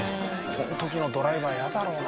この時のドライバーイヤだろうな。